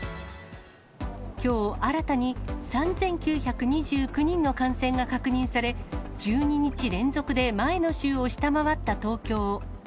きょう新たに、３９２９人の感染が確認され、１２日連続で前の週を下回った東京。